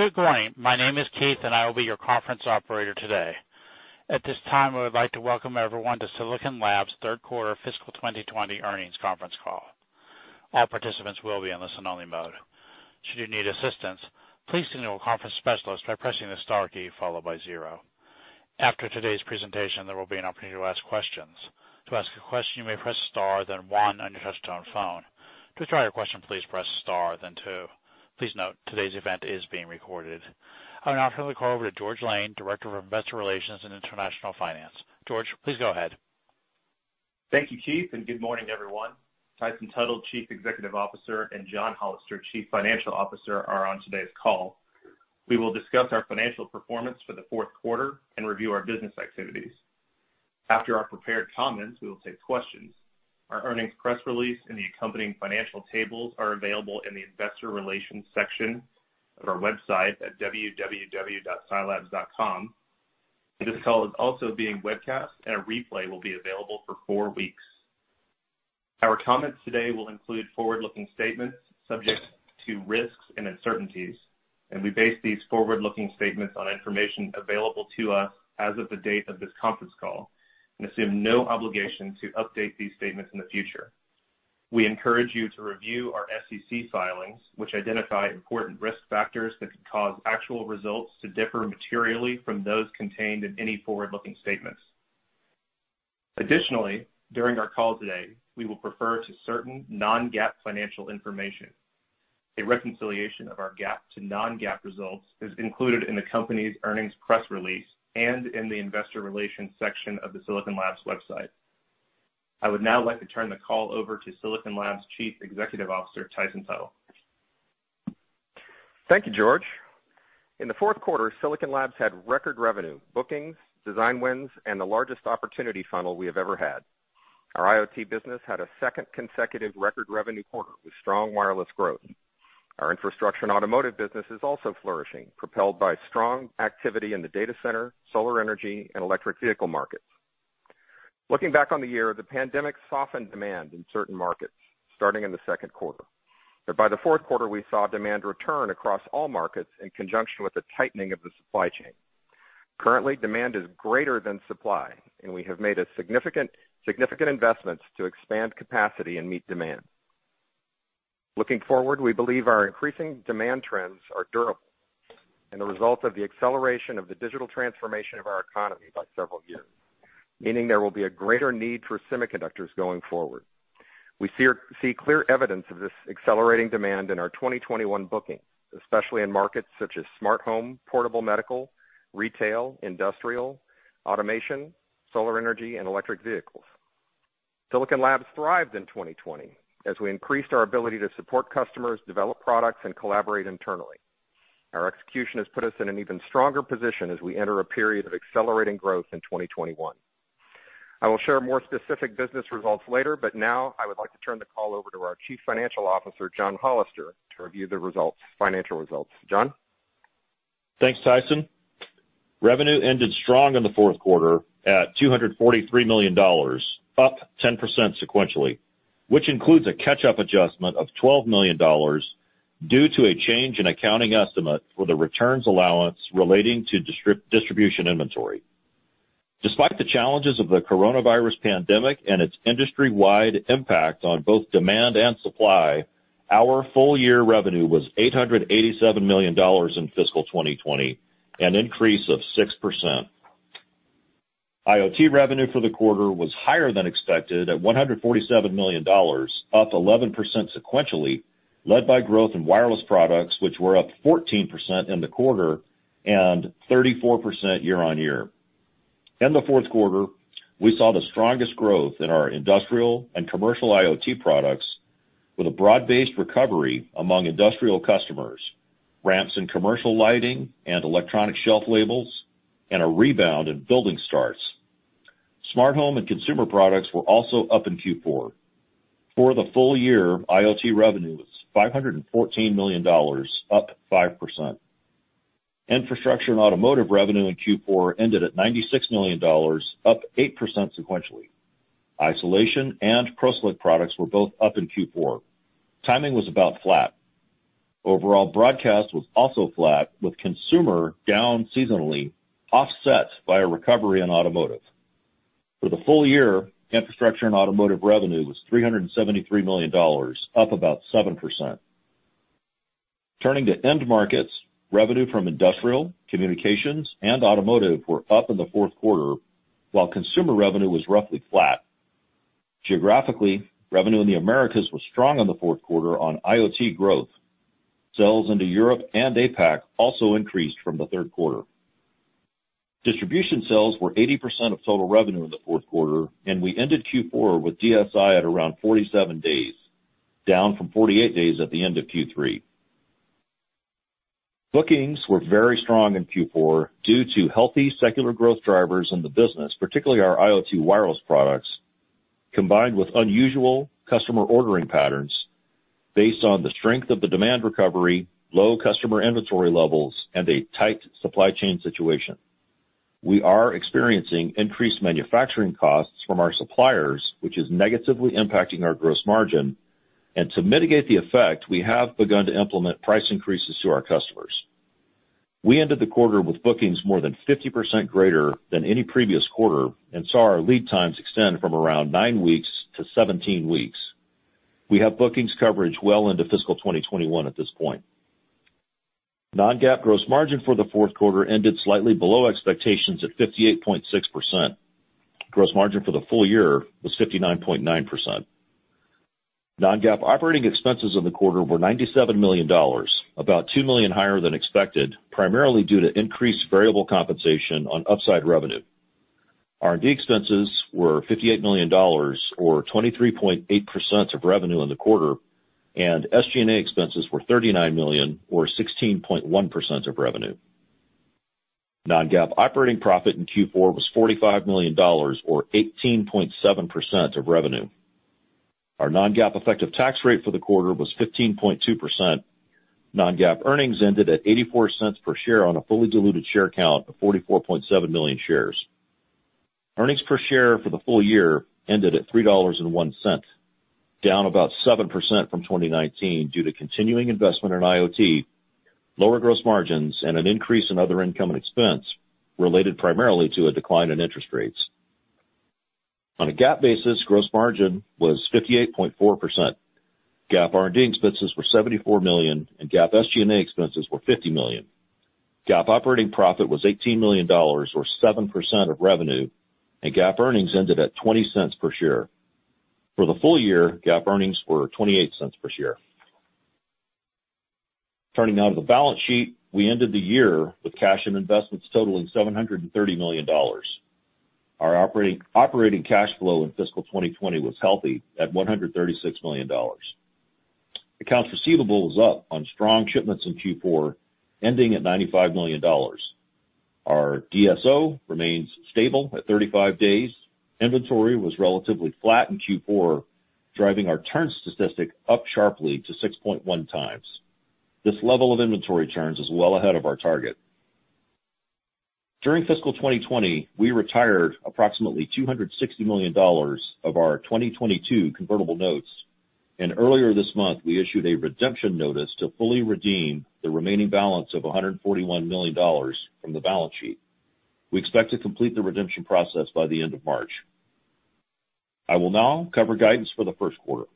Thank you. Good morning. My name is Keith, and I will be your conference operator today. At this time, I would like to welcome everyone to Silicon Labs' third quarter fiscal 2020 earnings conference call. All participants will be in listen-only mode. Should you need assistance, please signal a conference specialist by pressing the star key followed by zero. After today's presentation, there will be an opportunity to ask questions. To ask a question, you may press star, then one on your touch-tone phone. To try your question, please press star, then two. Please note, today's event is being recorded. I'm now turning the call over to George Lane, Director of Investor Relations and International Finance. George, please go ahead. Thank you, Keith, and good morning, everyone. Tyson Tuttle, Chief Executive Officer, and John Hollister, Chief Financial Officer, are on today's call. We will discuss our financial performance for the fourth quarter and review our business activities. After our prepared comments, we will take questions. Our earnings press release and the accompanying financial tables are available in the Investor Relations section of our website at www.silabs.com. This call is also being webcast, and a replay will be available for four weeks. Our comments today will include forward-looking statements subject to risks and uncertainties, and we base these forward-looking statements on information available to us as of the date of this conference call and assume no obligation to update these statements in the future. We encourage you to review our SEC filings, which identify important risk factors that could cause actual results to differ materially from those contained in any forward-looking statements. Additionally, during our call today, we will refer to certain non-GAAP financial information. A reconciliation of our GAAP to non-GAAP results is included in the company's earnings press release and in the Investor Relations section of the Silicon Labs website. I would now like to turn the call over to Silicon Labs Chief Executive Officer, Tyson Tuttle. Thank you, George. In the fourth quarter, Silicon Labs had record revenue, bookings, design wins, and the largest opportunity funnel we have ever had. Our IoT business had a second consecutive record revenue quarter with strong wireless growth. Our infrastructure and automotive business is also flourishing, propelled by strong activity in the data center, solar energy, and electric vehicle markets. Looking back on the year, the pandemic softened demand in certain markets starting in the second quarter. By the fourth quarter, we saw demand return across all markets in conjunction with the tightening of the supply chain. Currently, demand is greater than supply, and we have made significant investments to expand capacity and meet demand. Looking forward, we believe our increasing demand trends are durable and the result of the acceleration of the digital transformation of our economy by several years, meaning there will be a greater need for semiconductors going forward. We see clear evidence of this accelerating demand in our 2021 booking, especially in markets such as smart home, portable medical, retail, industrial, automation, solar energy, and electric vehicles. Silicon Labs thrived in 2020 as we increased our ability to support customers, develop products, and collaborate internally. Our execution has put us in an even stronger position as we enter a period of accelerating growth in 2021. I will share more specific business results later, but now I would like to turn the call over to our Chief Financial Officer, John Hollister, to review the financial results. John? Thanks, Tyson. Revenue ended strong in the fourth quarter at $243 million, up 10% sequentially, which includes a catch-up adjustment of $12 million due to a change in accounting estimate for the returns allowance relating to distribution inventory. Despite the challenges of the coronavirus pandemic and its industry-wide impact on both demand and supply, our full-year revenue was $887 million in fiscal 2020, an increase of 6%. IoT revenue for the quarter was higher than expected at $147 million, up 11% sequentially, led by growth in wireless products, which were up 14% in the quarter and 34% year-on-year. In the fourth quarter, we saw the strongest growth in our industrial and commercial IoT products, with a broad-based recovery among industrial customers, ramps in commercial lighting and electronic shelf labels, and a rebound in building starts. Smart home and consumer products were also up in Q4. For the full year, IoT revenue was $514 million, up 5%. Infrastructure and automotive revenue in Q4 ended at $96 million, up 8% sequentially. Isolation and CrossLink products were both up in Q4. Timing was about flat. Overall broadcast was also flat, with consumer down seasonally, offset by a recovery in automotive. For the full year, infrastructure and automotive revenue was $373 million, up about 7%. Turning to end markets, revenue from industrial, communications, and automotive were up in the fourth quarter, while consumer revenue was roughly flat. Geographically, revenue in the Americas was strong in the fourth quarter on IoT growth. Sales into Europe and APAC also increased from the third quarter. Distribution sales were 80% of total revenue in the fourth quarter, and we ended Q4 with DSI at around 47 days, down from 48 days at the end of Q3. Bookings were very strong in Q4 due to healthy secular growth drivers in the business, particularly our IoT wireless products, combined with unusual customer ordering patterns based on the strength of the demand recovery, low customer inventory levels, and a tight supply chain situation. We are experiencing increased manufacturing costs from our suppliers, which is negatively impacting our gross margin, and to mitigate the effect, we have begun to implement price increases to our customers. We ended the quarter with bookings more than 50% greater than any previous quarter and saw our lead times extend from around nine weeks to 17 weeks. We have bookings coverage well into fiscal 2021 at this point. Non-GAAP gross margin for the fourth quarter ended slightly below expectations at 58.6%. Gross margin for the full year was 59.9%. Non-GAAP operating expenses in the quarter were $97 million, about $2 million higher than expected, primarily due to increased variable compensation on upside revenue. R&D expenses were $58 million, or 23.8% of revenue in the quarter, and SG&A expenses were $39 million, or 16.1% of revenue. Non-GAAP operating profit in Q4 was $45 million, or 18.7% of revenue. Our non-GAAP effective tax rate for the quarter was 15.2%. Non-GAAP earnings ended at $0.84 per share on a fully diluted share count of 44.7 million shares. Earnings per share for the full year ended at $3.01, down about 7% from 2019 due to continuing investment in IoT, lower gross margins, and an increase in other income and expense related primarily to a decline in interest rates. On a GAAP basis, gross margin was 58.4%. GAAP R&D expenses were $74 million, and GAAP SG&A expenses were $50 million. GAAP operating profit was $18 million, or 7% of revenue, and GAAP earnings ended at $0.20 per share. For the full year, GAAP earnings were $0.28 per share. Turning now to the balance sheet, we ended the year with cash and investments totaling $730 million. Our operating cash flow in fiscal 2020 was healthy at $136 million. Accounts receivable was up on strong shipments in Q4, ending at $95 million. Our DSO remains stable at 35 days. Inventory was relatively flat in Q4, driving our turns statistic up sharply to 6.1 times. This level of inventory turns is well ahead of our target. During fiscal 2020, we retired approximately $260 million of our 2022 convertible notes, and earlier this month, we issued a redemption notice to fully redeem the remaining balance of $141 million from the balance sheet. We expect to complete the redemption process by the end of March. I will now cover guidance for the first quarter.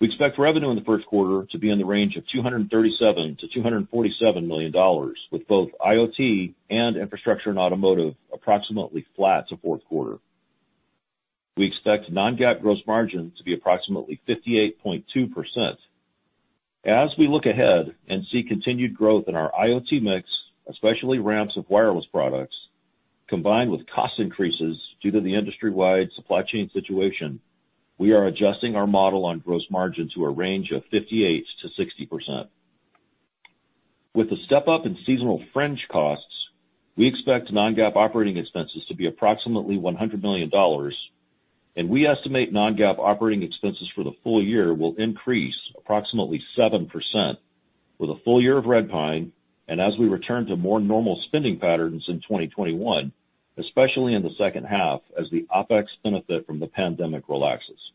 We expect revenue in the first quarter to be in the range of $237 million-$247 million, with both IoT and infrastructure and automotive approximately flat to fourth quarter. We expect non-GAAP gross margin to be approximately 58.2%. As we look ahead and see continued growth in our IoT mix, especially ramps of wireless products, combined with cost increases due to the industry-wide supply chain situation, we are adjusting our model on gross margin to a range of 58%-60%. With the step-up in seasonal fringe costs, we expect non-GAAP operating expenses to be approximately $100 million, and we estimate non-GAAP operating expenses for the full year will increase approximately 7% with a full year of Redpine, and as we return to more normal spending patterns in 2021, especially in the second half as the OpEx benefit from the pandemic relaxes.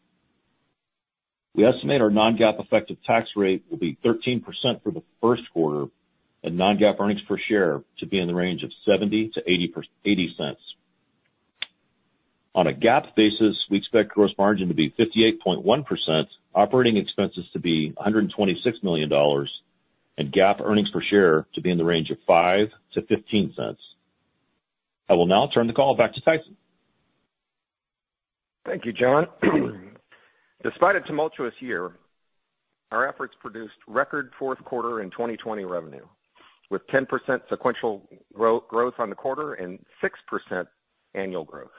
We estimate our non-GAAP effective tax rate will be 13% for the first quarter and non-GAAP earnings per share to be in the range of $0.70-$0.80. On a GAAP basis, we expect gross margin to be 58.1%, operating expenses to be $126 million, and GAAP earnings per share to be in the range of $0.05-$0.15. I will now turn the call back to Tyson. Thank you, John. Despite a tumultuous year, our efforts produced record fourth quarter 2020 revenue, with 10% sequential growth on the quarter and 6% annual growth.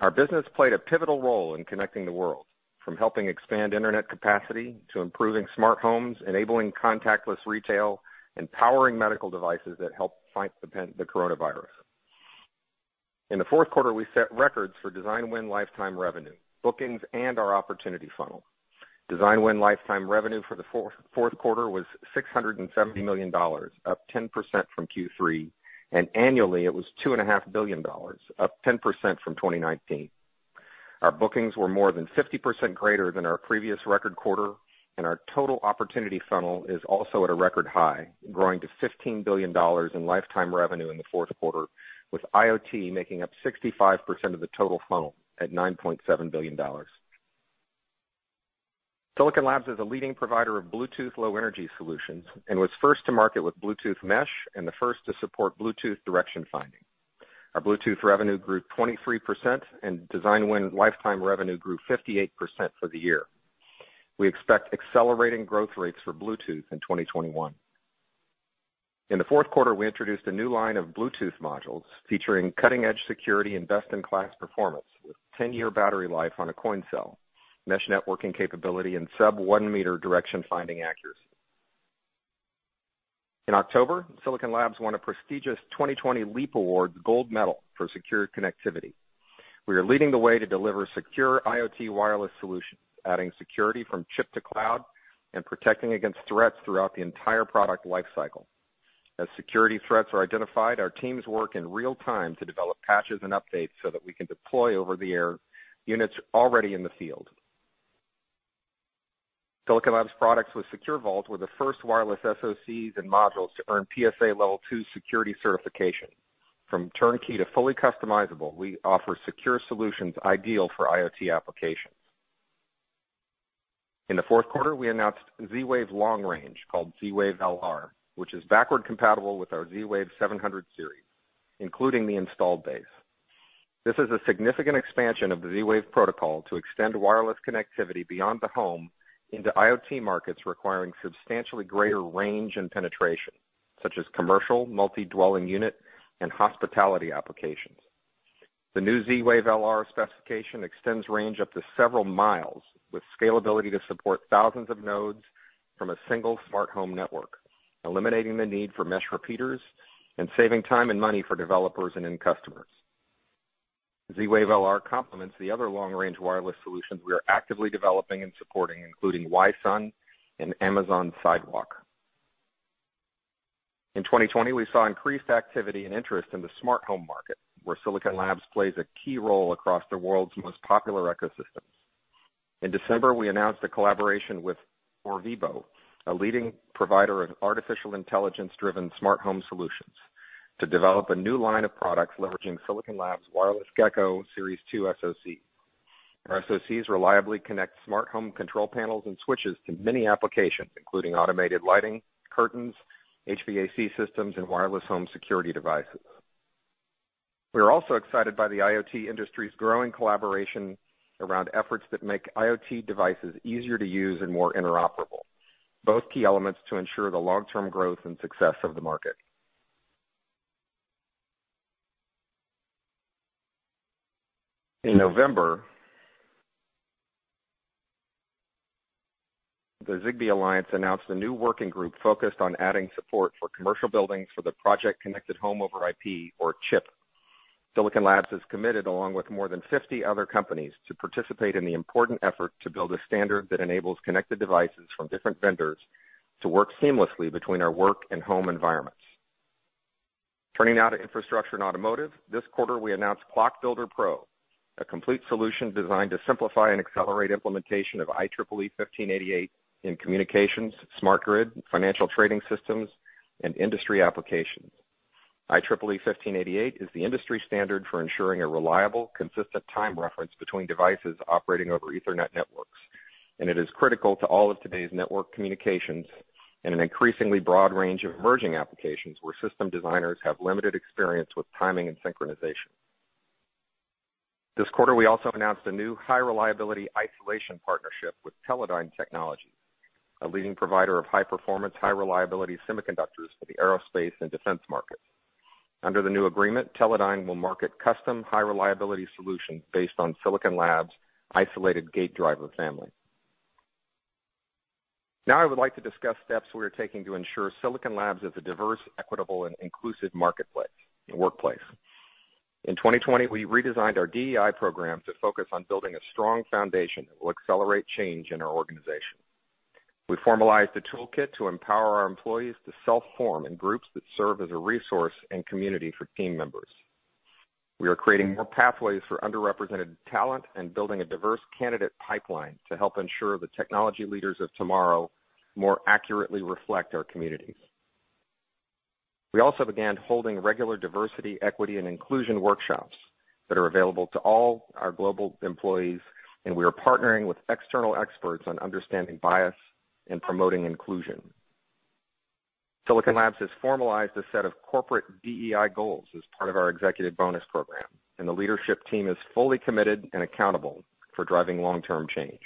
Our business played a pivotal role in connecting the world, from helping expand internet capacity to improving smart homes, enabling contactless retail, and powering medical devices that help fight the coronavirus. In the fourth quarter, we set records for design win lifetime revenue, bookings, and our opportunity funnel. Design win lifetime revenue for the fourth quarter was $670 million, up 10% from Q3, and annually, it was $2.5 billion, up 10% from 2019. Our bookings were more than 50% greater than our previous record quarter, and our total opportunity funnel is also at a record high, growing to $15 billion in lifetime revenue in the fourth quarter, with IoT making up 65% of the total funnel at $9.7 billion. Silicon Labs is a leading provider of Bluetooth low-energy solutions and was first to market with Bluetooth Mesh and the first to support Bluetooth Direction Finding. Our Bluetooth revenue grew 23%, and design win lifetime revenue grew 58% for the year. We expect accelerating growth rates for Bluetooth in 2021. In the fourth quarter, we introduced a new line of Bluetooth modules featuring cutting-edge security and best-in-class performance with 10-year battery life on a coin cell, mesh networking capability, and sub-1-meter direction finding accuracy. In October, Silicon Labs won a prestigious 2020 LEAP Awards gold medal for secure connectivity. We are leading the way to deliver secure IoT wireless solutions, adding security from chip to cloud and protecting against threats throughout the entire product lifecycle. As security threats are identified, our teams work in real time to develop patches and updates so that we can deploy over-the-air units already in the field. Silicon Labs products with SecureVault were the first wireless SoCs and modules to earn PSA Level 2 security certification. From turnkey to fully customizable, we offer secure solutions ideal for IoT applications. In the fourth quarter, we announced Z-Wave long range, called Z-Wave LR, which is backward compatible with our Z-Wave 700 series, including the installed base. This is a significant expansion of the Z-Wave protocol to extend wireless connectivity beyond the home into IoT markets requiring substantially greater range and penetration, such as commercial multi-dwelling unit and hospitality applications. The new Z-Wave LR specification extends range up to several miles, with scalability to support thousands of nodes from a single smart home network, eliminating the need for mesh repeaters and saving time and money for developers and end customers. Z-Wave LR complements the other long-range wireless solutions we are actively developing and supporting, including Wi-SUN and Amazon Sidewalk. In 2020, we saw increased activity and interest in the smart home market, where Silicon Labs plays a key role across the world's most popular ecosystems. In December, we announced a collaboration with Orvibo, a leading provider of artificial intelligence-driven smart home solutions, to develop a new line of products leveraging Silicon Labs' Wireless Gecko Series 2 SoC. Our SoCs reliably connect smart home control panels and switches to many applications, including automated lighting, curtains, HVAC systems, and wireless home security devices. We are also excited by the IoT industry's growing collaboration around efforts that make IoT devices easier to use and more interoperable, both key elements to ensure the long-term growth and success of the market. In November, the Zigbee Alliance announced a new working group focused on adding support for commercial buildings for the Project Connected Home over IP, or CHIP. Silicon Labs is committed, along with more than 50 other companies, to participate in the important effort to build a standard that enables connected devices from different vendors to work seamlessly between our work and home environments. Turning now to infrastructure and automotive, this quarter, we announced Clock Builder Pro, a complete solution designed to simplify and accelerate implementation of IEEE 1588 in communications, smart grid, financial trading systems, and industry applications. IEEE 1588 is the industry standard for ensuring a reliable, consistent time reference between devices operating over Ethernet networks, and it is critical to all of today's network communications and an increasingly broad range of emerging applications where system designers have limited experience with timing and synchronization. This quarter, we also announced a new high-reliability isolation partnership with Teledyne Technologies, a leading provider of high-performance, high-reliability semiconductors for the aerospace and defense markets. Under the new agreement, Teledyne will market custom high-reliability solutions based on Silicon Labs' isolated gate driver family. Now, I would like to discuss steps we are taking to ensure Silicon Labs is a diverse, equitable, and inclusive marketplace and workplace. In 2020, we redesigned our DEI program to focus on building a strong foundation that will accelerate change in our organization. We formalized a toolkit to empower our employees to self-form in groups that serve as a resource and community for team members. We are creating more pathways for underrepresented talent and building a diverse candidate pipeline to help ensure the technology leaders of tomorrow more accurately reflect our communities. We also began holding regular diversity, equity, and inclusion workshops that are available to all our global employees, and we are partnering with external experts on understanding bias and promoting inclusion. Silicon Labs has formalized a set of corporate DEI goals as part of our executive bonus program, and the leadership team is fully committed and accountable for driving long-term change.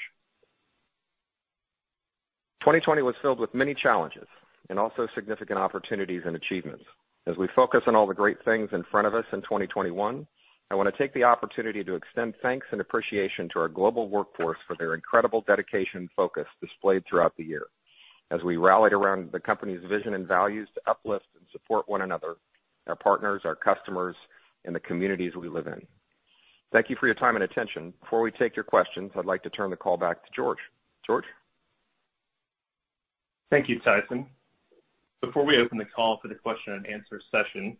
2020 was filled with many challenges and also significant opportunities and achievements. As we focus on all the great things in front of us in 2021, I want to take the opportunity to extend thanks and appreciation to our global workforce for their incredible dedication and focus displayed throughout the year, as we rallied around the company's vision and values to uplift and support one another, our partners, our customers, and the communities we live in. Thank you for your time and attention. Before we take your questions, I'd like to turn the call back to George. George? Thank you, Tyson. Before we open the call for the question and answer session,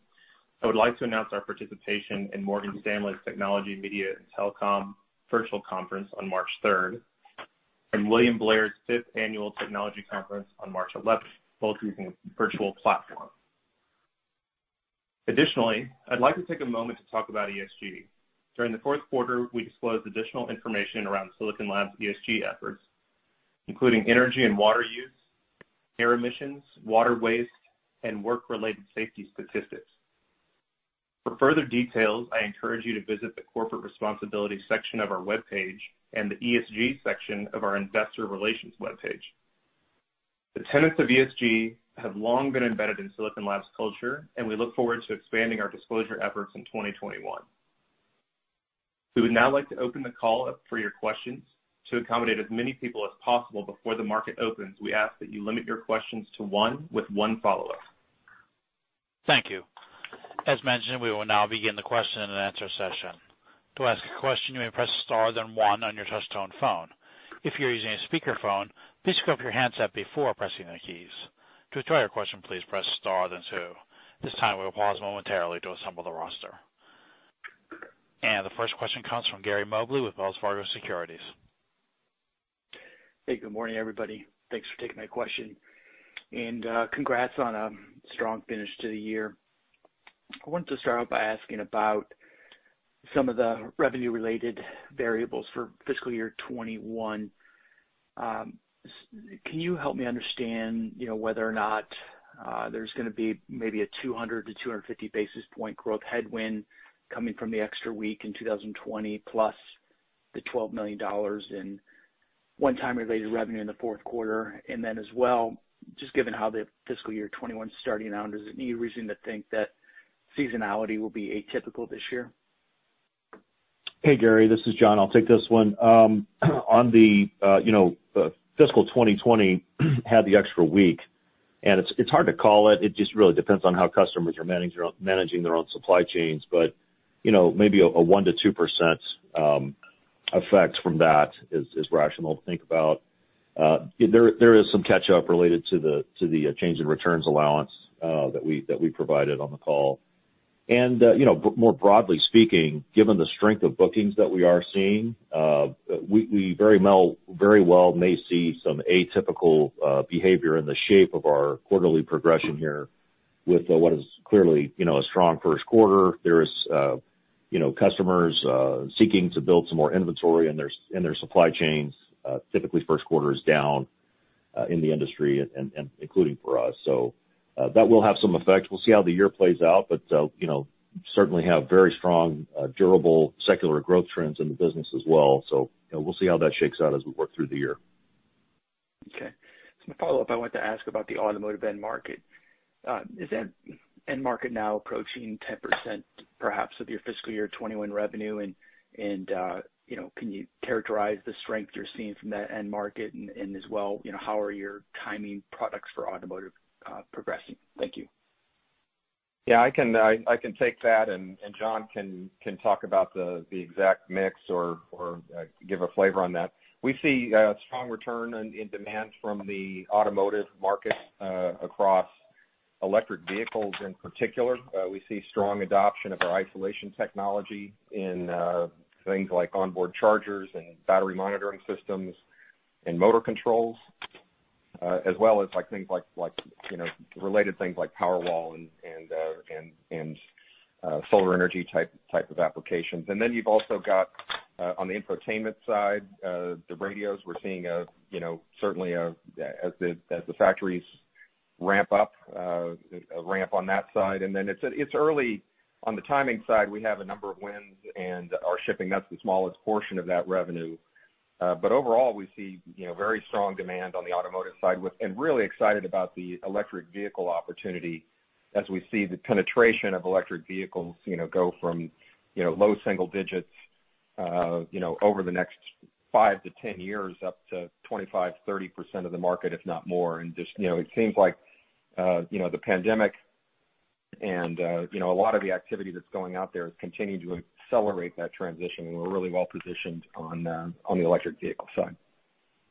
I would like to announce our participation in Morgan Stanley's Technology, Media, and Telecom Virtual Conference on March 3 and William Blair's fifth annual Technology Conference on March 11, both using a virtual platform. Additionally, I'd like to take a moment to talk about ESG. During the fourth quarter, we disclosed additional information around Silicon Labs' ESG efforts, including energy and water use, air emissions, water waste, and work-related safety statistics. For further details, I encourage you to visit the corporate responsibility section of our web page and the ESG section of our investor relations web page. The tenets of ESG have long been embedded in Silicon Labs' culture, and we look forward to expanding our disclosure efforts in 2021. We would now like to open the call up for your questions. To accommodate as many people as possible before the market opens, we ask that you limit your questions to one with one follow-up. Thank you. As mentioned, we will now begin the question and answer session. To ask a question, you may press star then one on your touch-tone phone. If you're using a speakerphone, please grab your handset before pressing the keys. To withdraw your question, please press star then two. At this time, we will pause momentarily to assemble the roster. The first question comes from Gary Mobley with Wells Fargo Securities. Hey, good morning, everybody. Thanks for taking my question. Congrats on a strong finish to the year. I wanted to start off by asking about some of the revenue-related variables for fiscal year 2021. Can you help me understand whether or not there's going to be maybe a 200 to 250 basis point growth headwind coming from the extra week in 2020, plus the $12 million in one-time-related revenue in the fourth quarter? Just given how the fiscal year 2021's starting out, is there any reason to think that seasonality will be atypical this year? Hey, Gary. This is John. I'll take this one. On the fiscal 2020, had the extra week. It just really depends on how customers are managing their own supply chains. Maybe a 1-2% effect from that is rational to think about. There is some catch-up related to the change in returns allowance that we provided on the call. More broadly speaking, given the strength of bookings that we are seeing, we very well may see some atypical behavior in the shape of our quarterly progression here with what is clearly a strong first quarter. There are customers seeking to build some more inventory in their supply chains. Typically, first quarter is down in the industry, including for us. That will have some effect. will see how the year plays out, but certainly have very strong, durable secular growth trends in the business as well. We will see how that shakes out as we work through the year. Okay. The follow-up I wanted to ask about the automotive end market. Is that end market now approaching 10%, perhaps, of your fiscal year 2021 revenue? Can you characterize the strength you're seeing from that end market? As well, how are your timing products for automotive progressing? Thank you. Yeah, I can take that, and John can talk about the exact mix or give a flavor on that. We see a strong return in demand from the automotive market across electric vehicles in particular. We see strong adoption of our isolation technology in things like onboard chargers and battery monitoring systems and motor controls, as well as things like related things like Powerwall and solar energy type of applications. You have also got, on the infotainment side, the radios. We are seeing certainly, as the factories ramp up, a ramp on that side. It is early on the timing side. We have a number of wins, and are shipping, that is the smallest portion of that revenue. Overall, we see very strong demand on the automotive side. Really excited about the electric vehicle opportunity as we see the penetration of electric vehicles go from low single digits over the next 5-10 years up to 25%-30% of the market, if not more. It seems like the pandemic and a lot of the activity that's going out there is continuing to accelerate that transition, and we're really well positioned on the electric vehicle side.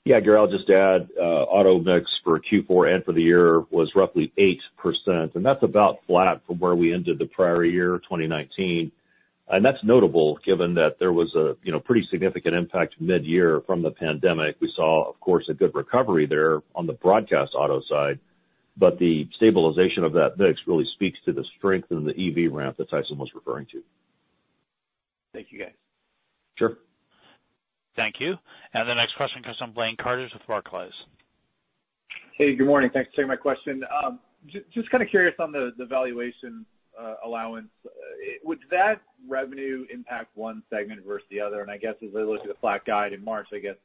Yeah, Gary, I'll just add auto mix for Q4 and for the year was roughly 8%. That's about flat from where we ended the prior year, 2019. That's notable given that there was a pretty significant impact mid-year from the pandemic. We saw, of course, a good recovery there on the broadcast auto side. The stabilization of that mix really speaks to the strength in the EV ramp that Tyson was referring to. Thank you, guys. Sure. Thank you. The next question comes from Blayne Curtis with Barclays. Hey, good morning. Thanks for taking my question. Just kind of curious on the valuation allowance. Would that revenue impact one segment versus the other? I guess as they look at the flat guide in March, I guess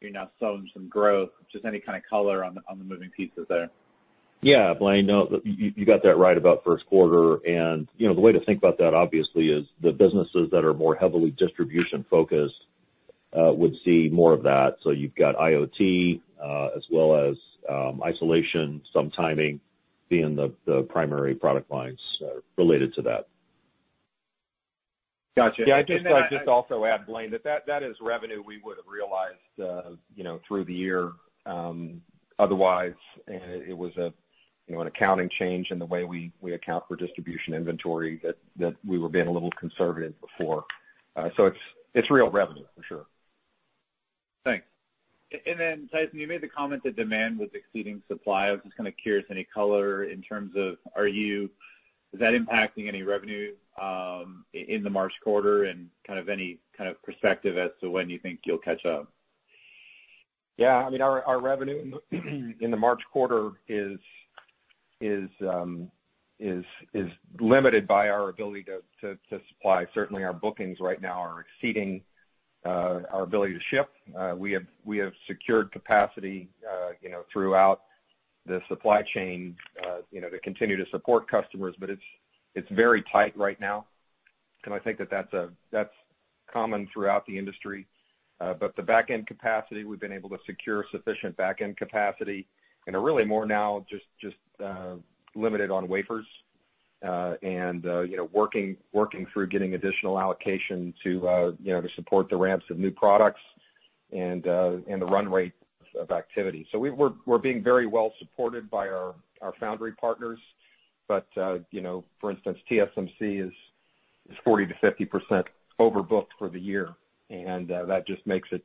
you're now selling some growth. Just any kind of color on the moving pieces there? Yeah, Blayne, you got that right about first quarter. The way to think about that, obviously, is the businesses that are more heavily distribution-focused would see more of that. You have got IoT as well as isolation, some timing being the primary product lines related to that. Gotcha. Yeah, I'd just also add, Blayne, that that is revenue we would have realized through the year. Otherwise, it was an accounting change in the way we account for distribution inventory that we were being a little conservative before. So it's real revenue, for sure. Thanks. Tyson, you made the comment that demand was exceeding supply. I was just kind of curious, any color in terms of, is that impacting any revenue in the March quarter and kind of any kind of perspective as to when you think you'll catch up? Yeah. I mean, our revenue in the March quarter is limited by our ability to supply. Certainly, our bookings right now are exceeding our ability to ship. We have secured capacity throughout the supply chain to continue to support customers, but it's very tight right now. I think that that's common throughout the industry. The back-end capacity, we've been able to secure sufficient back-end capacity. Really more now just limited on wafers and working through getting additional allocation to support the ramps of new products and the run rate of activity. We're being very well supported by our foundry partners. For instance, TSMC is 40-50% overbooked for the year. That just makes it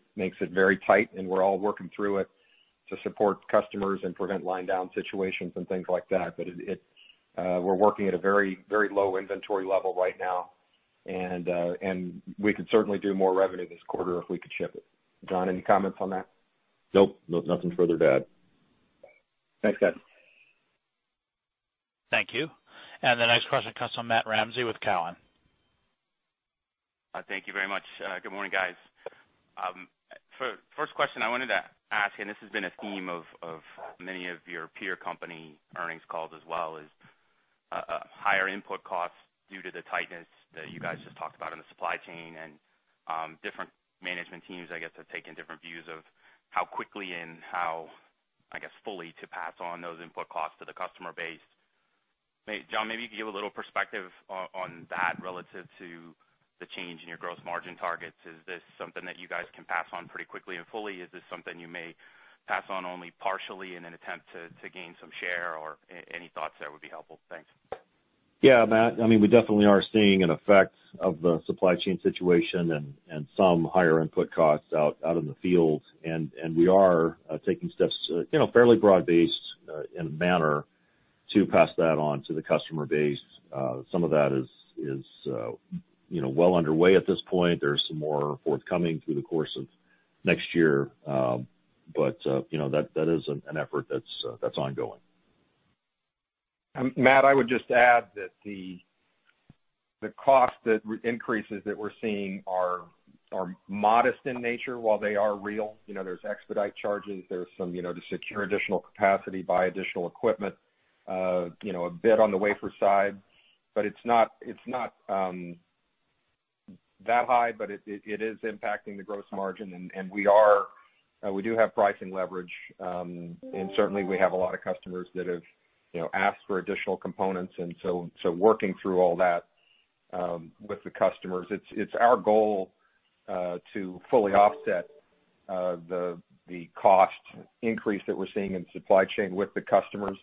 very tight. We're all working through it to support customers and prevent line down situations and things like that. We are working at a very low inventory level right now. We could certainly do more revenue this quarter if we could ship it. John, any comments on that? Nope. Nothing further to add. Thanks, guys. Thank you. The next question comes from Matt Ramsay with Cowen. Thank you very much. Good morning, guys. First question I wanted to ask, and this has been a theme of many of your peer company earnings calls as well, is higher input costs due to the tightness that you guys just talked about in the supply chain. Different management teams, I guess, have taken different views of how quickly and how, I guess, fully to pass on those input costs to the customer base. John, maybe you could give a little perspective on that relative to the change in your gross margin targets. Is this something that you guys can pass on pretty quickly and fully? Is this something you may pass on only partially in an attempt to gain some share? Any thoughts there would be helpful? Thanks. Yeah, Matt. I mean, we definitely are seeing an effect of the supply chain situation and some higher input costs out in the field. We are taking steps fairly broad-based in a manner to pass that on to the customer base. Some of that is well underway at this point. There is some more forthcoming through the course of next year. That is an effort that is ongoing. Matt, I would just add that the cost increases that we're seeing are modest in nature while they are real. There's expedite charges. There's some to secure additional capacity, buy additional equipment, a bit on the wafer side. It is not that high, but it is impacting the gross margin. We do have pricing leverage. Certainly, we have a lot of customers that have asked for additional components. Working through all that with the customers, it's our goal to fully offset the cost increase that we're seeing in the supply chain with the customers.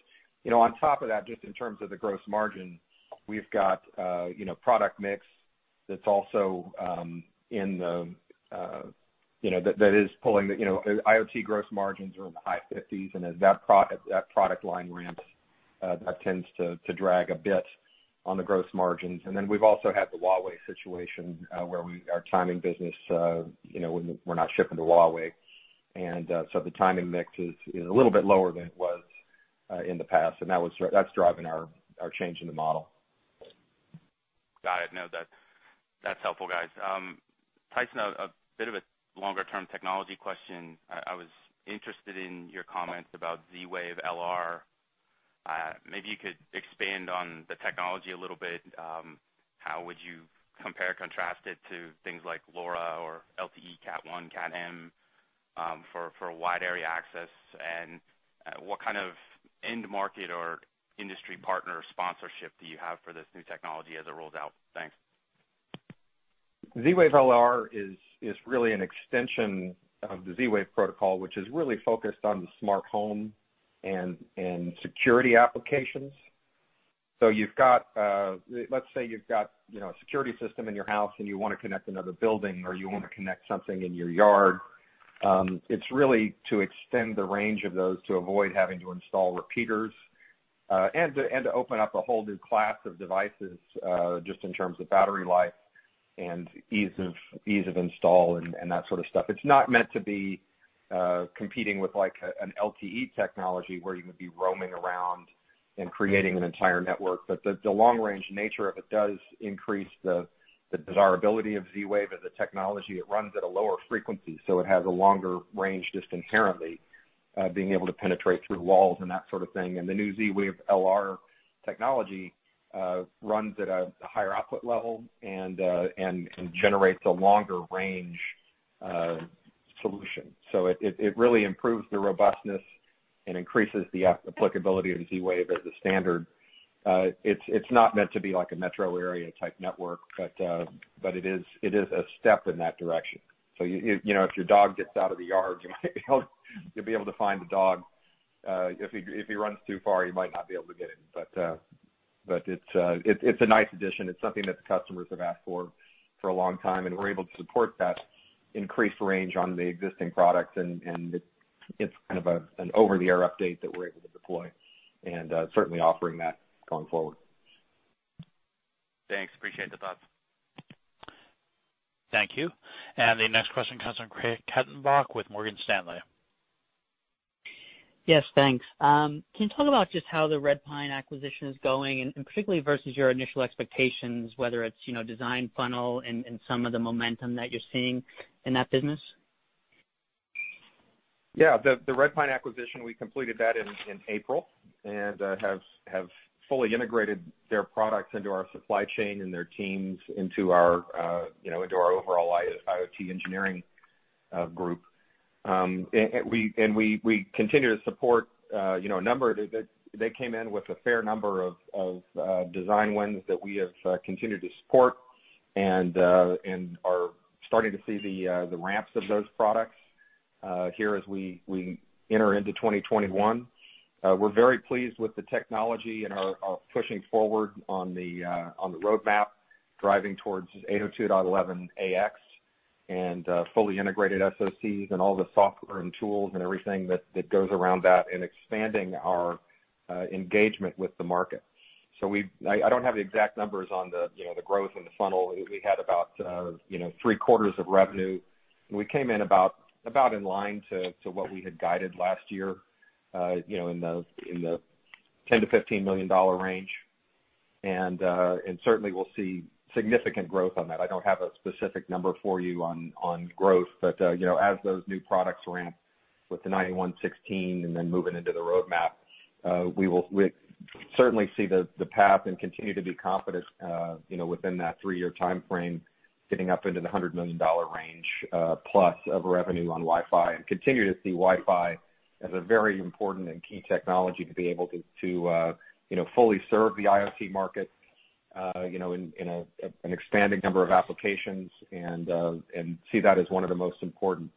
On top of that, just in terms of the gross margin, we've got product mix that's also in that is pulling the IoT gross margins are in the high 50s. As that product line ramps, that tends to drag a bit on the gross margins. We have also had the Huawei situation where our timing business, we are not shipping to Huawei. The timing mix is a little bit lower than it was in the past. That is driving our change in the model. Got it. No, that's helpful, guys. Tyson, a bit of a longer-term technology question. I was interested in your comments about Z-Wave LR. Maybe you could expand on the technology a little bit. How would you compare and contrast it to things like LoRa or LTE Cat1, CatM for wide area access? What kind of end market or industry partner sponsorship do you have for this new technology as it rolls out? Thanks. Z-Wave LR is really an extension of the Z-Wave protocol, which is really focused on the smart home and security applications. Let's say you've got a security system in your house and you want to connect another building or you want to connect something in your yard. It is really to extend the range of those to avoid having to install repeaters and to open up a whole new class of devices just in terms of battery life and ease of install and that sort of stuff. It is not meant to be competing with an LTE technology where you would be roaming around and creating an entire network. The long-range nature of it does increase the desirability of Z-Wave as a technology. It runs at a lower frequency, so it has a longer range just inherently, being able to penetrate through walls and that sort of thing. The new Z-Wave LR technology runs at a higher output level and generates a longer range solution. It really improves the robustness and increases the applicability of Z-Wave as a standard. It is not meant to be like a metro area type network, but it is a step in that direction. If your dog gets out of the yard, you will be able to find the dog. If he runs too far, you might not be able to get him. It is a nice addition. It is something that the customers have asked for for a long time. We are able to support that increased range on the existing products. It is kind of an over-the-air update that we are able to deploy and certainly offering that going forward. Thanks. Appreciate the thoughts. Thank you. The next question comes from Craig Hettenbach with Morgan Stanley. Yes, thanks. Can you talk about just how the Redpine acquisition is going, and particularly versus your initial expectations, whether it's design funnel and some of the momentum that you're seeing in that business? Yeah. The Redpine acquisition, we completed that in April and have fully integrated their products into our supply chain and their teams into our overall IoT engineering group. We continue to support a number of they came in with a fair number of design wins that we have continued to support and are starting to see the ramps of those products here as we enter into 2021. We're very pleased with the technology and are pushing forward on the roadmap, driving towards 802.11 AX and fully integrated SoCs and all the software and tools and everything that goes around that and expanding our engagement with the market. I don't have the exact numbers on the growth and the funnel. We had about three quarters of revenue. We came in about in line to what we had guided last year in the $10-$15 million range. Certainly, we'll see significant growth on that. I don't have a specific number for you on growth. As those new products ramp with the 9116 and then moving into the roadmap, we will certainly see the path and continue to be confident within that three-year timeframe, getting up into the $100 million range plus of revenue on Wi-Fi and continue to see Wi-Fi as a very important and key technology to be able to fully serve the IoT market in an expanding number of applications and see that as one of the most important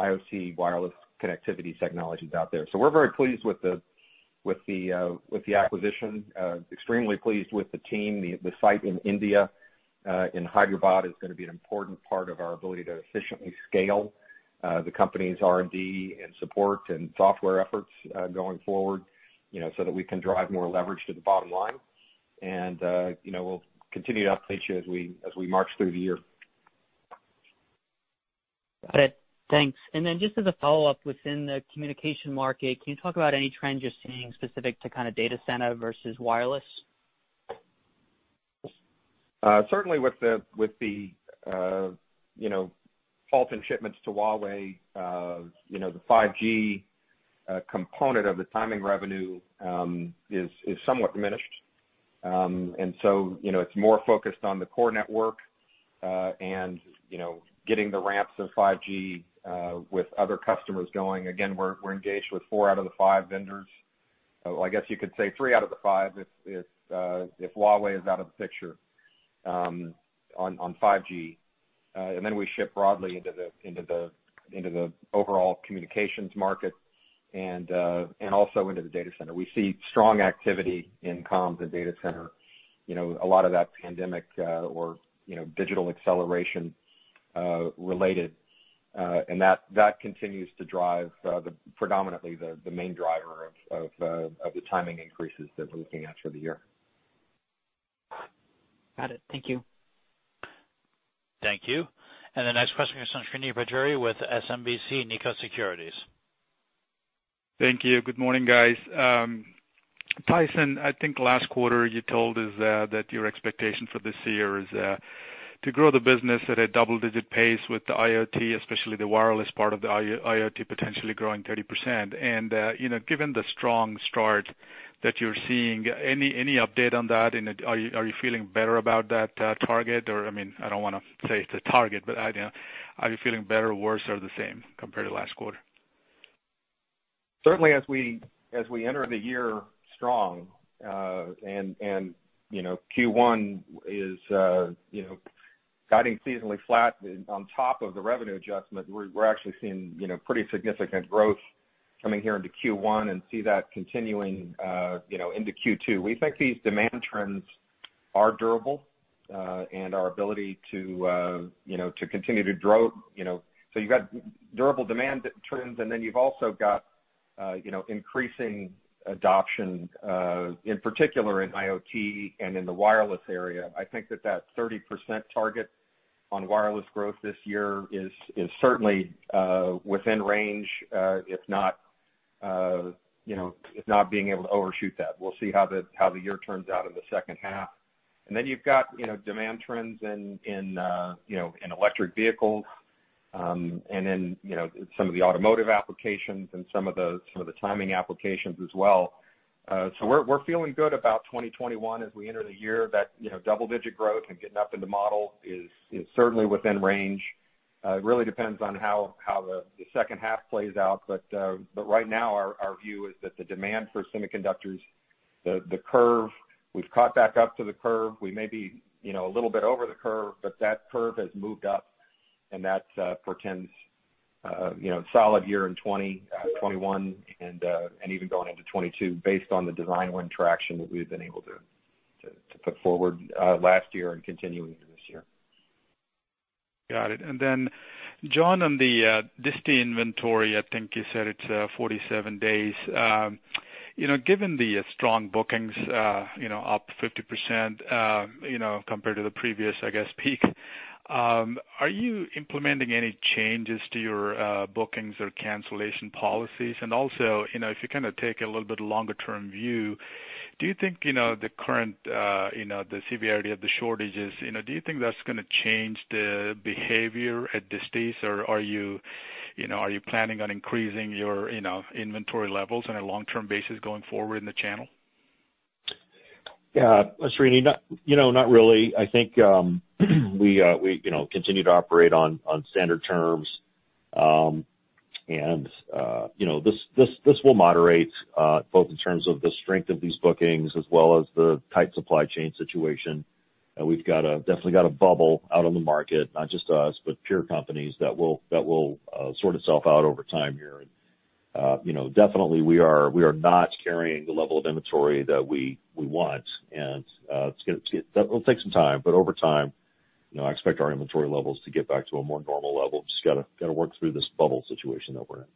IoT wireless connectivity technologies out there. We are very pleased with the acquisition, extremely pleased with the team. The site in India in Hyderabad is going to be an important part of our ability to efficiently scale the company's R&D and support and software efforts going forward so that we can drive more leverage to the bottom line. We will continue to update you as we march through the year. Got it. Thanks. Just as a follow-up within the communication market, can you talk about any trends you're seeing specific to kind of data center versus wireless? Certainly, with the fault and shipments to Huawei, the 5G component of the timing revenue is somewhat diminished. It is more focused on the core network and getting the ramps of 5G with other customers going. Again, we're engaged with four out of the five vendors. I guess you could say three out of the five if Huawei is out of the picture on 5G. We ship broadly into the overall communications market and also into the data center. We see strong activity in comms and data center, a lot of that pandemic or digital acceleration related. That continues to drive predominantly the main driver of the timing increases that we're looking at for the year. Got it. Thank you. Thank you. The next question comes from Srini Pajjuri with SMBC Nikko Securities. Thank you. Good morning, guys. Tyson, I think last quarter you told us that your expectation for this year is to grow the business at a double-digit pace with the IoT, especially the wireless part of the IoT potentially growing 30%. Given the strong start that you're seeing, any update on that? Are you feeling better about that target? I mean, I don't want to say it's a target, but are you feeling better, worse, or the same compared to last quarter? Certainly, as we enter the year strong and Q1 is guiding seasonally flat on top of the revenue adjustment, we're actually seeing pretty significant growth coming here into Q1 and see that continuing into Q2. We think these demand trends are durable and our ability to continue to grow. You've got durable demand trends, and then you've also got increasing adoption, in particular in IoT and in the wireless area. I think that that 30% target on wireless growth this year is certainly within range, if not being able to overshoot that. We'll see how the year turns out in the second half. You've got demand trends in electric vehicles and then some of the automotive applications and some of the timing applications as well. We're feeling good about 2021 as we enter the year. That double-digit growth and getting up in the model is certainly within range. It really depends on how the second half plays out. Right now, our view is that the demand for semiconductors, the curve, we've caught back up to the curve. We may be a little bit over the curve, but that curve has moved up. That portends a solid year in 2021 and even going into 2022 based on the design wind traction that we've been able to put forward last year and continue into this year. Got it. John, on the days sales of inventory, I think you said it is 47 days. Given the strong bookings up 50% compared to the previous, I guess, peak, are you implementing any changes to your bookings or cancellation policies? Also, if you kind of take a little bit longer-term view, do you think the current severity of the shortages, do you think that is going to change the behavior at distribution? Or are you planning on increasing your inventory levels on a long-term basis going forward in the channel? Yeah. Srini, not really. I think we continue to operate on standard terms. This will moderate both in terms of the strength of these bookings as well as the tight supply chain situation. We have definitely got a bubble out on the market, not just us, but peer companies that will sort itself out over time here. Definitely, we are not carrying the level of inventory that we want. It will take some time. Over time, I expect our inventory levels to get back to a more normal level. Just got to work through this bubble situation that we are in.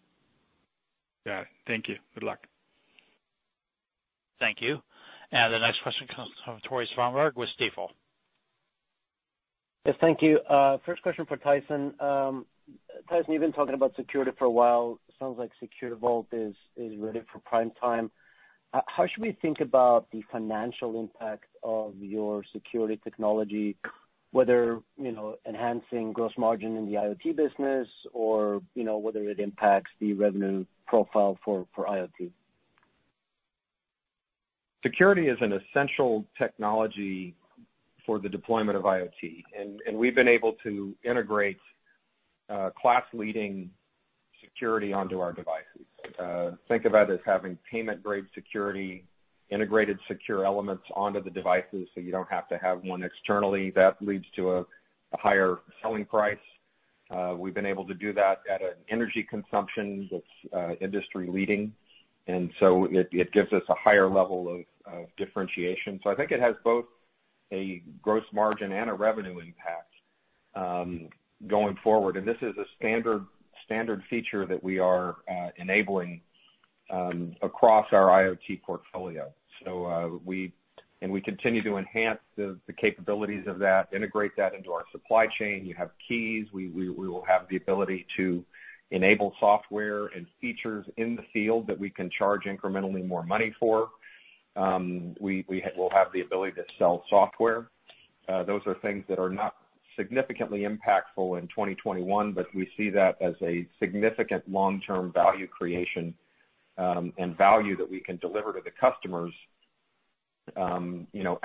Got it. Thank you. Good luck. Thank you. The next question comes from Tore Svanberg with Stifel. Yes, thank you. First question for Tyson. Tyson, you've been talking about security for a while. Sounds like SecureVault is ready for prime time. How should we think about the financial impact of your security technology, whether enhancing gross margin in the IoT business or whether it impacts the revenue profile for IoT? Security is an essential technology for the deployment of IoT. We have been able to integrate class-leading security onto our devices. Think of it as having payment-grade security, integrated secure elements onto the devices so you do not have to have one externally. That leads to a higher selling price. We have been able to do that at an energy consumption that is industry-leading. It gives us a higher level of differentiation. I think it has both a gross margin and a revenue impact going forward. This is a standard feature that we are enabling across our IoT portfolio. We continue to enhance the capabilities of that, integrate that into our supply chain. You have keys. We will have the ability to enable software and features in the field that we can charge incrementally more money for. We will have the ability to sell software. Those are things that are not significantly impactful in 2021, but we see that as a significant long-term value creation and value that we can deliver to the customers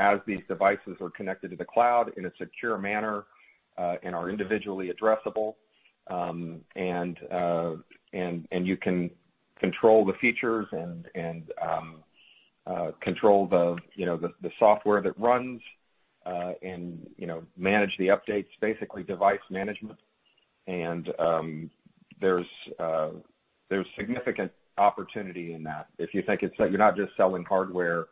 as these devices are connected to the cloud in a secure manner and are individually addressable. You can control the features and control the software that runs and manage the updates, basically device management. There is significant opportunity in that. If you think you're not just selling hardware,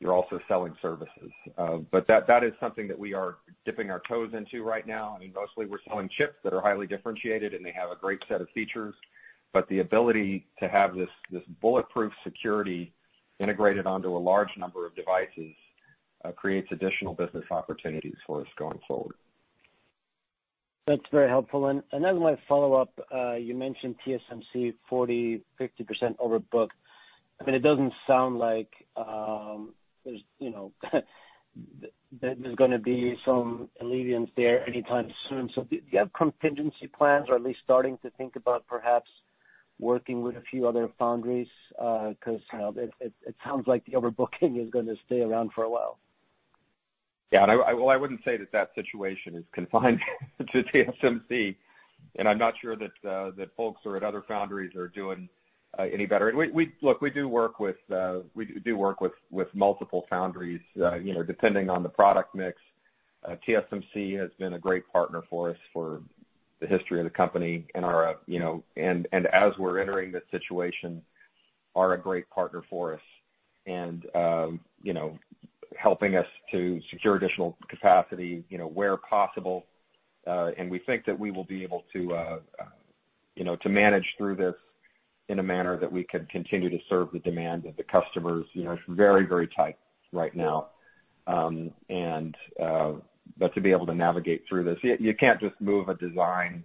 you're also selling services. That is something that we are dipping our toes into right now. I mean, mostly we're selling chips that are highly differentiated, and they have a great set of features. The ability to have this bulletproof security integrated onto a large number of devices creates additional business opportunities for us going forward. That's very helpful. As my follow-up, you mentioned TSMC 40, 50% overbooked. I mean, it doesn't sound like there's going to be some alleviation there anytime soon. Do you have contingency plans or at least starting to think about perhaps working with a few other foundries? It sounds like the overbooking is going to stay around for a while. Yeah. I would not say that that situation is confined to TSMC. I am not sure that folks at other foundries are doing any better. Look, we do work with multiple foundries depending on the product mix. TSMC has been a great partner for us for the history of the company, and as we are entering this situation, are a great partner for us in helping us to secure additional capacity where possible. We think that we will be able to manage through this in a manner that we can continue to serve the demand of the customers. It is very, very tight right now. To be able to navigate through this, you cannot just move a design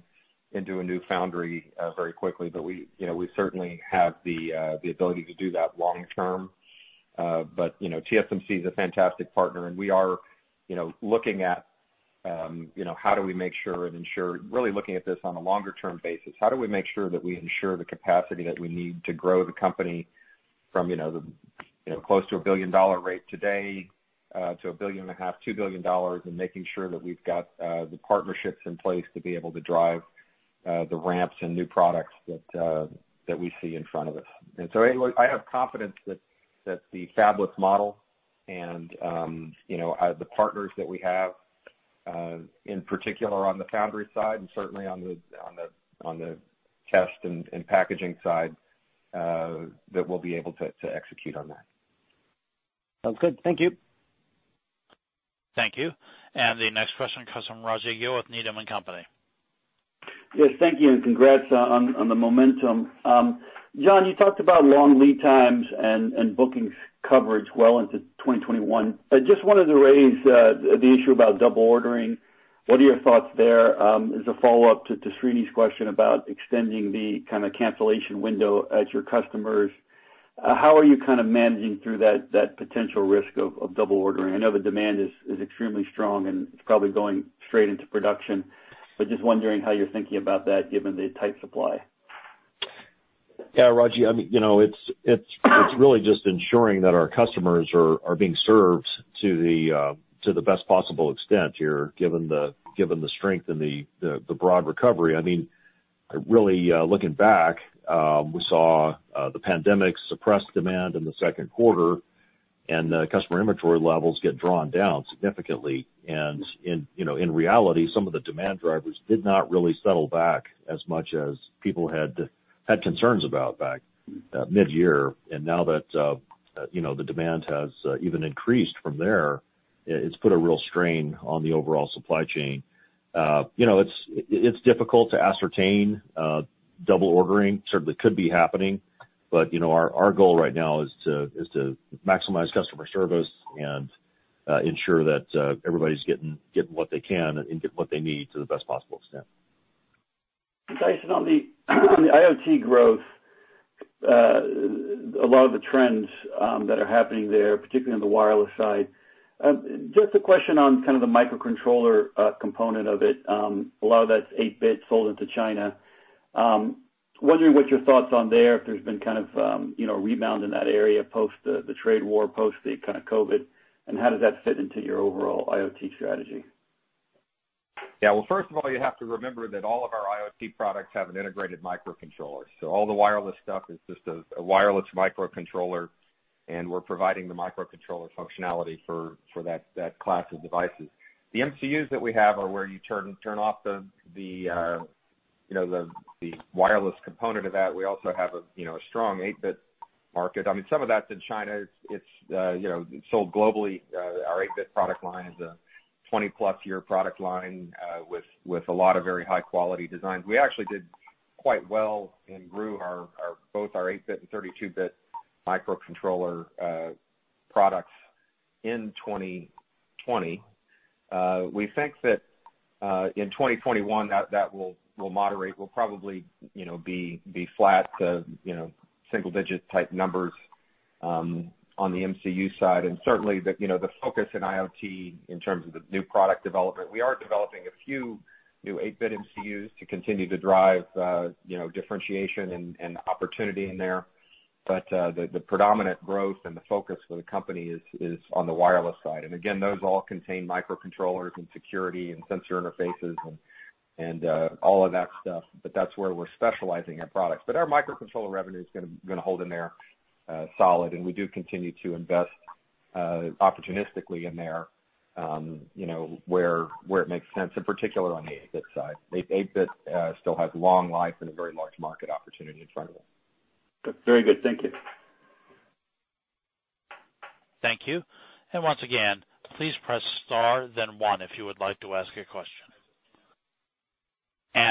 into a new foundry very quickly. We certainly have the ability to do that long-term. TSMC is a fantastic partner. We are looking at how do we make sure and ensure, really looking at this on a longer-term basis, how do we make sure that we ensure the capacity that we need to grow the company from close to a billion dollar rate today to a billion and a half, two billion dollars, and making sure that we've got the partnerships in place to be able to drive the ramps and new products that we see in front of us. I have confidence that the fabless model and the partners that we have, in particular on the foundry side and certainly on the test and packaging side, that we'll be able to execute on that. Sounds good. Thank you. Thank you. The next question comes from Raji Gill with Needham & Company. Yes. Thank you and congrats on the momentum. John, you talked about long lead times and bookings coverage well into 2021. I just wanted to raise the issue about double ordering. What are your thoughts there? As a follow-up to Srini's question about extending the kind of cancellation window at your customers, how are you kind of managing through that potential risk of double ordering? I know the demand is extremely strong and it's probably going straight into production. Just wondering how you're thinking about that given the tight supply. Yeah, Raji, I mean, it's really just ensuring that our customers are being served to the best possible extent here given the strength and the broad recovery. I mean, really looking back, we saw the pandemic suppress demand in the second quarter, and customer inventory levels get drawn down significantly. In reality, some of the demand drivers did not really settle back as much as people had concerns about back mid-year. Now that the demand has even increased from there, it's put a real strain on the overall supply chain. It's difficult to ascertain double ordering. Certainly could be happening. Our goal right now is to maximize customer service and ensure that everybody's getting what they can and getting what they need to the best possible extent. Tyson, on the IoT growth, a lot of the trends that are happening there, particularly on the wireless side, just a question on kind of the microcontroller component of it. A lot of that's 8-bit sold into China. Wondering what your thoughts on there, if there's been kind of a rebound in that area post the trade war, post the kind of COVID, and how does that fit into your overall IoT strategy? Yeah. First of all, you have to remember that all of our IoT products have an integrated microcontroller. So all the wireless stuff is just a wireless microcontroller, and we're providing the microcontroller functionality for that class of devices. The MCUs that we have are where you turn off the wireless component of that. We also have a strong 8-bit market. I mean, some of that's in China. It's sold globally. Our 8-bit product line is a 20-plus-year product line with a lot of very high-quality designs. We actually did quite well and grew both our 8-bit and 32-bit microcontroller products in 2020. We think that in 2021, that will moderate. We'll probably be flat to single-digit type numbers on the MCU side. Certainly, the focus in IoT in terms of the new product development, we are developing a few new 8-bit MCUs to continue to drive differentiation and opportunity in there. The predominant growth and the focus for the company is on the wireless side. Again, those all contain microcontrollers and security and sensor interfaces and all of that stuff. That is where we are specializing in products. Our microcontroller revenue is going to hold in there solid. We do continue to invest opportunistically in there where it makes sense, in particular on the 8-bit side. 8-bit still has long life and a very large market opportunity in front of us. Very good. Thank you. Thank you. Once again, please press star, then one if you would like to ask a question.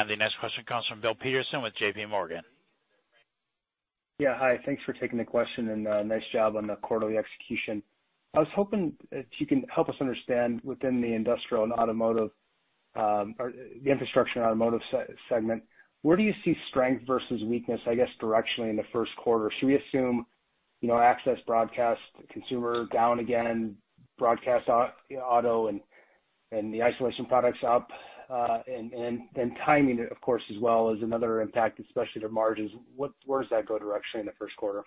The next question comes from Bill Peterson with JPMorgan. Yeah. Hi. Thanks for taking the question and nice job on the quarterly execution. I was hoping that you can help us understand within the industrial and automotive or the infrastructure and automotive segment, where do you see strength versus weakness, I guess, directionally in the first quarter? Should we assume access, broadcast, consumer down again, broadcast, auto, and the isolation products up? And then timing, of course, as well is another impact, especially to margins. Where does that go directionally in the first quarter?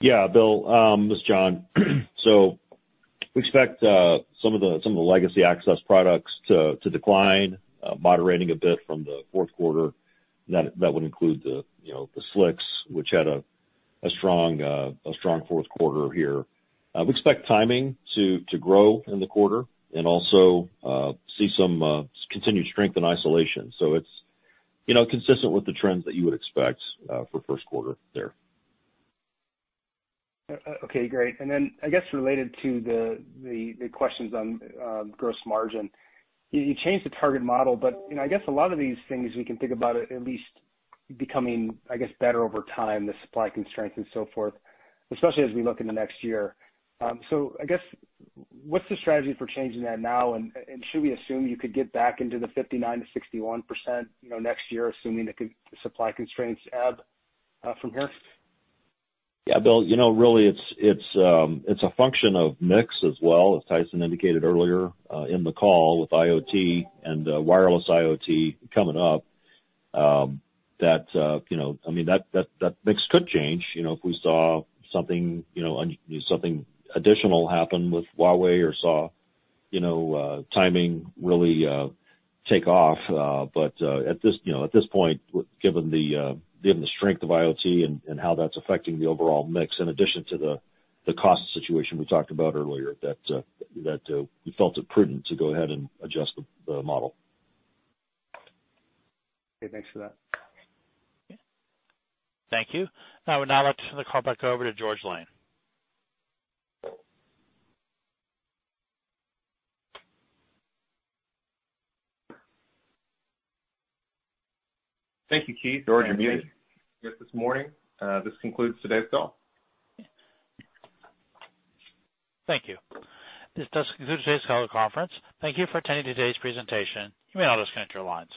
Yeah, Bill, this is John. We expect some of the legacy access products to decline, moderating a bit from the fourth quarter. That would include the Flex, which had a strong fourth quarter here. We expect timing to grow in the quarter and also see some continued strength in isolation. It is consistent with the trends that you would expect for first quarter there. Okay. Great. I guess related to the questions on gross margin, you changed the target model. I guess a lot of these things we can think about at least becoming, I guess, better over time, the supply constraints and so forth, especially as we look into next year. I guess what's the strategy for changing that now? Should we assume you could get back into the 59%-61% next year, assuming the supply constraints ebb from here? Yeah, Bill, really, it's a function of mix as well, as Tyson indicated earlier in the call with IoT and wireless IoT coming up. I mean, that mix could change if we saw something additional happen with Huawei or saw timing really take off. At this point, given the strength of IoT and how that's affecting the overall mix, in addition to the cost situation we talked about earlier, we felt it prudent to go ahead and adjust the model. Okay. Thanks for that. Thank you. Now we'll now let the call back over to George Lane. Thank you, Keith. George, you're muted. Yes, this morning. This concludes today's call. Thank you. This does conclude today's call and conference. Thank you for attending today's presentation. You may now disconnect your lines.